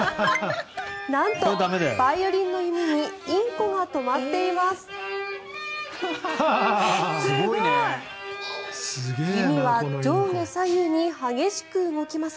なんとバイオリンの弓にインコが止まっています。